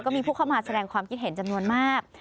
มีผู้เข้ามาแสดงความคิดเห็นจำนวนมาก